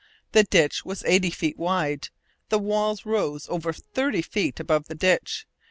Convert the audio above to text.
The ditch was eighty feet wide. The walls rose over thirty feet above the ditch.